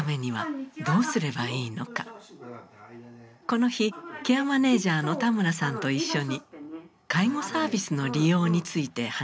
この日ケアマネージャーの田村さんと一緒に介護サービスの利用について話し合われました。